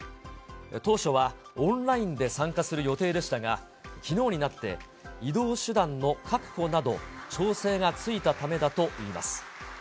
当初はオンラインで参加する予定でしたが、きのうになって、移動手段の確保など、調整がついたためだといいます。